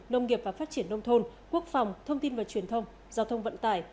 nông nghiệp và phát triển nông thôn quốc phòng thông tin và truyền thông giao thông vận tải